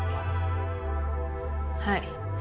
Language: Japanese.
はい。